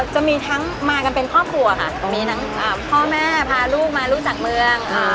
จะมีทั้งมากันเป็นครอบครัวค่ะตรงนี้ทั้งพ่อแม่พาลูกมารู้จักเมือง